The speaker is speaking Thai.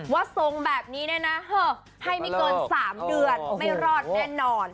ทรงแบบนี้เนี่ยนะให้ไม่เกิน๓เดือนไม่รอดแน่นอน